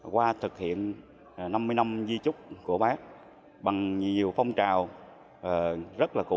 qua thực hiện năm mươi năm di trúc của bắc bằng nhiều phong trào rất là cụ trọng